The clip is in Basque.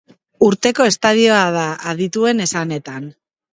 Urteko estadioa da, adituen esanetan.